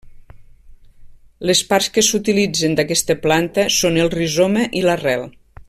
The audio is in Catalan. Les parts que s'utilitzen d'aquesta planta són el rizoma i l'arrel.